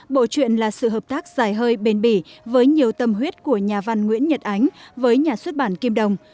bộ chuyện là sự hợp tác dài hơi bền bỉ với nhiều tâm huyết của nhà văn nguyễn nhật ánh với nhà xuất bản kim đồng